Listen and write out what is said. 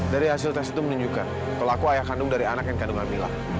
dari hasil tes itu menunjukkan pelaku ayah kandung dari anak yang kandung amilah